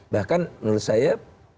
bahkan menurut saya